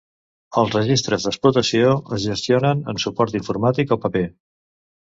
Els registres d'explotació es gestionen en suport informàtic o paper.